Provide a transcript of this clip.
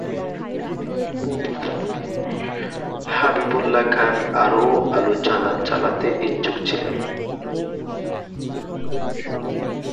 হাবিবউল্লাহ খান আরো আলোচনা চালাতে ইচ্ছুক ছিলেন।